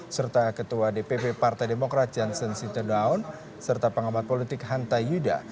serta ketua dpp partai demokrat janssen sitidaun serta pengamat politik hanta yuda